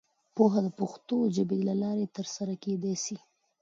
پوهه د پښتو ژبې له لارې ترلاسه کېدای سي.